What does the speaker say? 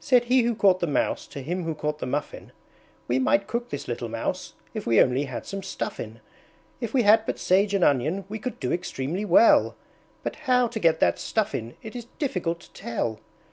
Said he who caught the Mouse to him who caught the Muffin, "We might cook this little Mouse, if we only had some Stuffin'! If we had but Sage and Onion we could do extremely well; But how to get that Stuffin' it is difficult to tell!"